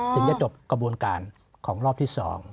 ถึงจะจบกระบวนการของรอบที่๒